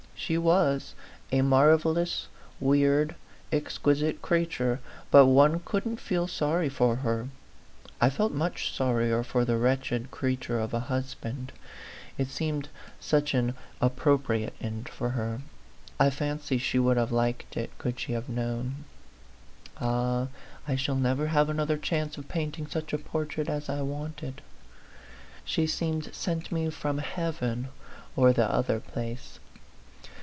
She was a marvellous, weird, exqui site creature, but one couldn't feel sorry for her. I felt much sorrier for the wretched creature of a husband. It seemed such an 6 A PHANTOM LOVER. appropriate end for her; I fancy she would have liked it could she have known. Ah, I shall never have another chance of painting such a portrait as I wanted. She seemed sent me from heaven or the other place.